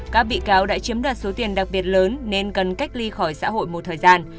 các bị cáo đã chiếm đoạt số tiền đặc biệt lớn nên cần cách ly khỏi xã hội một thời gian